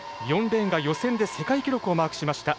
４レーンが予選で世界記録をマークしました